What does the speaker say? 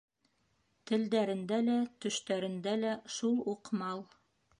Телдәрендә лә, төштәрендә лә шул уҡ мал.